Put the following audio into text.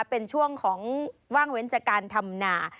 เป็นช่วงของว่างเว้นจากการทำนา